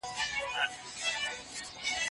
زه د بدن د پاکوالي لپاره اوبه او صابون استعمالوم.